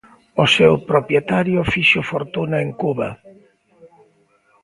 O seu propietario fixo fortuna en Cuba.